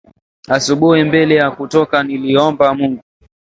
Asubui mbele ya kutoka niliomba Mungu